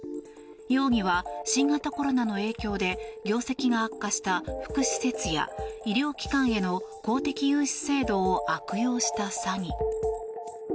容疑は、新型コロナの影響で業績が悪化した福祉施設や医療機関への公的融資制度を悪用した詐欺。